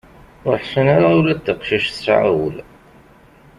Ur ḥsin ara ula d taqcict tesɛa ul.